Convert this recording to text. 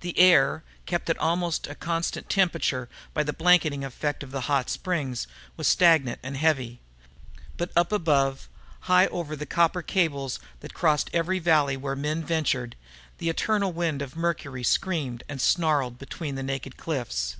The air, kept at almost constant temperature by the blanketing effect of the hot springs, was stagnant and heavy. But up above, high over the copper cables that crossed every valley where men ventured, the eternal wind of Mercury screamed and snarled between the naked cliffs.